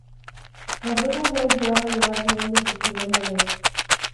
Las dos mujeres se van a llevar bien desde el primer momento.